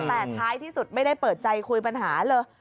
แต่ท้ายที่สุดไม่ได้เปิดใจคุยปัญหาเลย